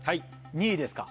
２位ですか？